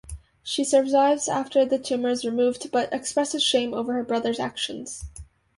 She survives after the tumor is removed, but expresses shame over her brother's actions.